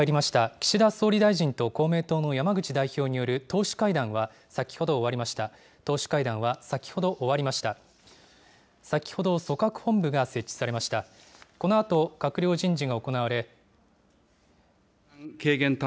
岸田総理大臣と公明党の山口代表による党首会談は、先ほど終わりました。